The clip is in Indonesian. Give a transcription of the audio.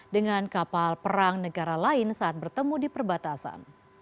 dengan kapal perang negara lain saat bertemu di perbatasan